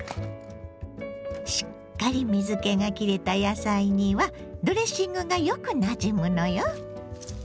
しっかり水けがきれた野菜にはドレッシングがよくなじむのよ。